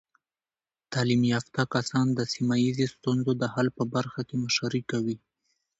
تعلیم یافته کسان د سیمه ایزې ستونزو د حل په برخه کې مشري کوي.